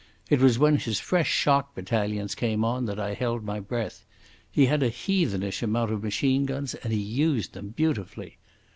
It was when his fresh shock battalions came on that I held my breath.... He had a heathenish amount of machine guns and he used them beautifully.